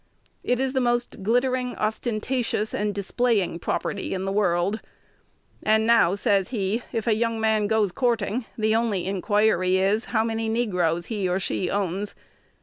'It is the most glittering, ostentatious, and displaying property in the world; and now,' says he, 'if a young man goes courting, the only inquiry is, how many negroes he or she owns.